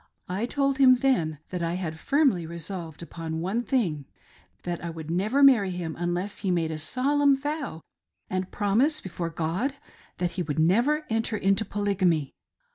I told him then that I had firmly resolved upon one thing— that I never would marry him unless he made a solemn vow and promise before God that he would never enter into Polygamy.